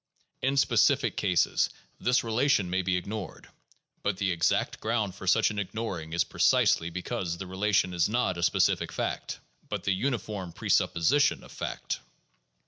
In specific cases this relation may be ignored, but the exact ground for such an ignoring is precisely because the relation is not a specific fact, but the uniform presupposition of fact.